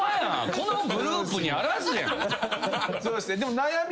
このグループにあらずやん。